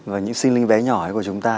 và những sinh linh bé nhỏ của chúng ta